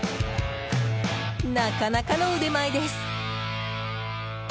なかなかの腕前です！